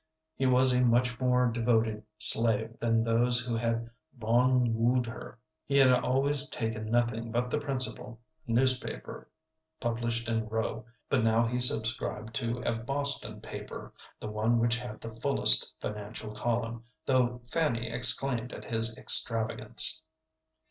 He was a much more devoted slave than those who had long wooed her. He had always taken nothing but the principal newspaper published in Rowe, but now he subscribed to a Boston paper, the one which had the fullest financial column, though Fanny exclaimed at his extravagance.